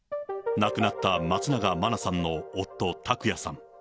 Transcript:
亡くなった松永真菜さんの夫、拓也さん。